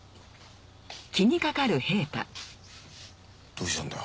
どうしたんだよ